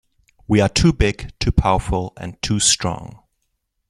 We are too big, too powerful, and too strong.